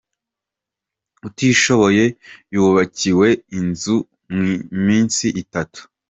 Utishoboye yubakiwe inzu mu minsi itatu